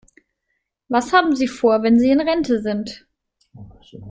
Was haben Sie vor, wenn Sie in Rente sind?